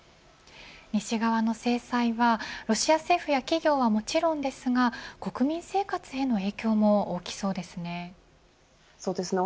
西側の制裁はロシア政府や企業はもちろんですが国民生活への影響も大きそうですね。